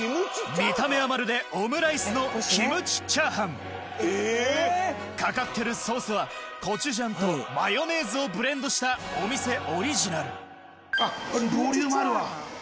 見た目はまるでオムライスのかかってるソースはコチュジャンとマヨネーズをブレンドしたお店オリジナルボリュームあるわ。